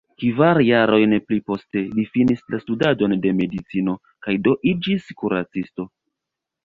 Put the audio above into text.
Kvar jarojn pli poste, li finis la studadon de medicino kaj do iĝis kuracisto.